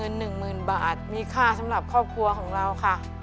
หนึ่งหมื่นบาทมีค่าสำหรับครอบครัวของเราค่ะ